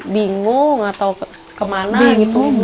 bingung atau kemana gitu